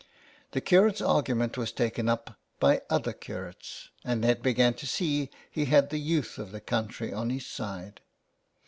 The curate's argument was taken up by other curates, and Ned began to see he had the youth of the country on his side.